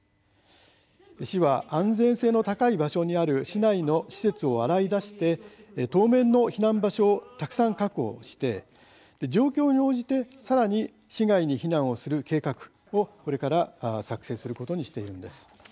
市は安全性の高い場所にある市内の施設を洗い出して当面の避難場所をたくさん確保して状況に応じて、さらに市外に避難をする計画をこれから策定することにしているんです。